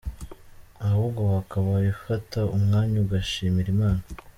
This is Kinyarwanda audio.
ahubwo wakabaye ufata umwanya ugashimira imana.